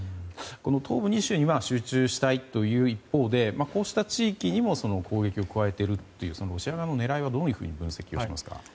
東部２州に集中したいという一方でこうした地域にも攻撃を加えているというロシア側の狙いはどういうふうに分析していますか。